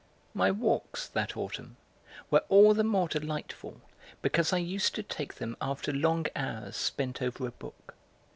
My walks, that autumn, were all the more delightful because I used to take them after long hours spent over a book.